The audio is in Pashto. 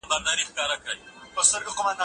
دا موضوع د پوهنتون په سطحه خورا مهمه وه.